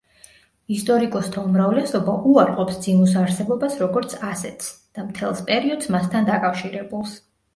ისტორიკოსთა უმრავლესობა უარყოფს ძიმუს არსებობას როგორც ასეთს და მთელს პერიოდს მასთან დაკავშირებულს.